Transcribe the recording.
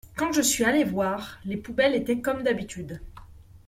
Quand je suis allé voir, les poubelles étaient comme d’habitude.